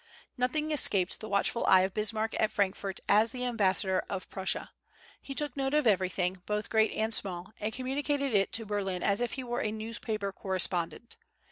Nothing escaped the watchful eye of Bismarck at Frankfort as the ambassador of Prussia. He took note of everything, both great and small, and communicated it to Berlin as if he were a newspaper correspondent.